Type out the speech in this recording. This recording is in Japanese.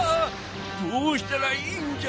どうしたらいいんじゃ？